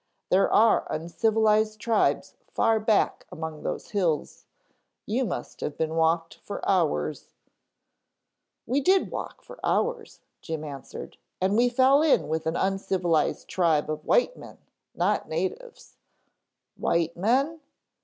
There are uncivilized tribes far back among those hills. You must have been walked for hours " "We did walk for hours," Jim answered, "and we fell in with an uncivilized tribe of white men, not natives " "White men?"